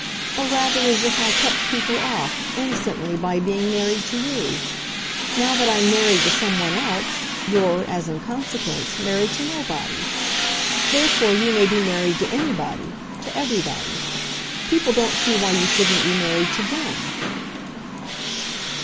Or rather as if I kept people off, innocently, by being married to you. Now that I'm married to some one else you're, as in consequence, married to nobody. Therefore you may be married to anybody, to everybody. People don't see why you shouldn't be married to THEM."